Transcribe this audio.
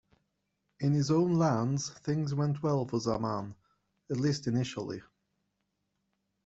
In his own lands things went well for Zaman, at least initially.